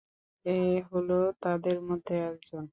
এ হলো তাদের মধ্যে একজন।